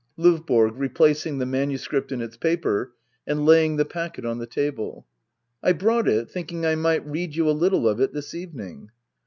L&VBORO. [Replacing the manuscript in its paper and laying the packet on the table.] I brought it^ thinking I mignt read you a little of it this evening.